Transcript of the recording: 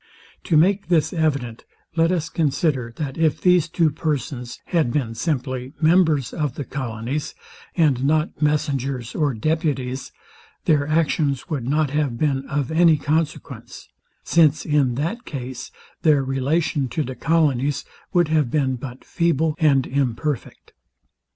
To make this evident, let us consider, that if these two persons had been simply members of the colonies, and not messengers or deputies, their actions would not have been of any consequence; since in that case their relation to the colonies would have been but feeble and imperfect.